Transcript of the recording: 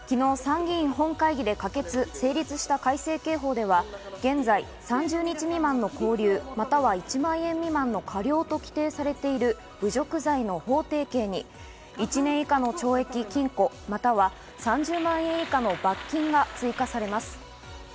昨日、参議院本会議で可決、成立した改正刑法では現在３０日未満の拘留、または１万円未満の科料と規定されている侮辱罪の法定刑に１年以下の懲役・禁錮、または３０万円以下の罰金が追加されます。